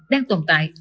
đang tồn tại